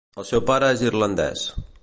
El seu pare és irlandès.